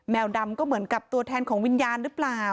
ดำก็เหมือนกับตัวแทนของวิญญาณหรือเปล่า